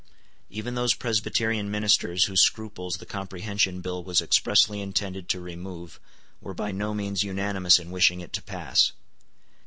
Even those Presbyterian ministers whose scruples the Comprehension Bill was expressly intended to remove were by no means unanimous in wishing it to pass.